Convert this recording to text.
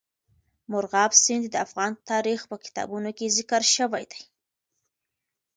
مورغاب سیند د افغان تاریخ په کتابونو کې ذکر شوی دي.